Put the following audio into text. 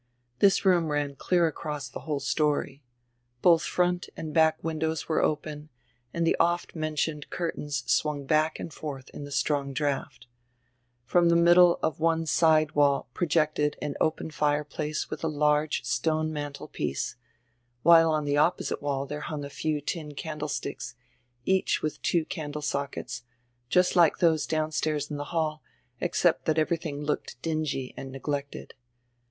This room ran clear across die whole story. Bodi front and back windows were open and die oft mentioned curtains swung back and forth in die strong draft. From die mid dle of one side wall projected an open fireplace widi a large stone mandepiece, while on die opposite wall diere hung a few tin candlesticks, each widi two candle sockets, just like diose downstairs in die hall, except diat everything looked dingy and neglected.